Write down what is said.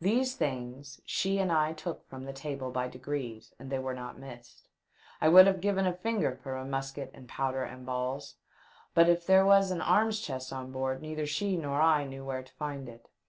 These things she and I took from the table by degrees, and they were not missed. I would have given a finger for a musket and powder and balls ; but if there was an arms chest on board neither she nor I knew where to find it.